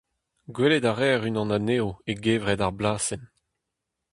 Gwelet a reer unan anezho e gevred ar blasenn.